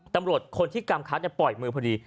ตำรวจคนที่กำคัดปล่อยมือพอดี